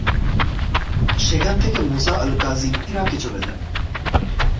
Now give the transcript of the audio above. সেখান থেকে Musa al Kazim ইরাকে চলে যান।